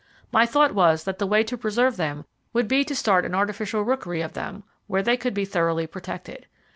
My thought was that the way to preserve them would be to start an artificial rookery of them where they could be thoroughly protected.